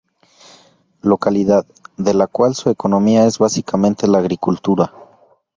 Localidad, de la cual su economía es básicamente la agricultura.